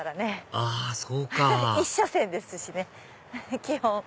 あそうか１車線ですしね基本。